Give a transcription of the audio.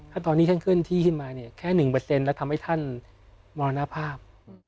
ถ้าตอนนี้ท่านเคลื่อนที่ขึ้นมาเนี่ยแค่๑แล้วทำให้ท่านมรณภาพ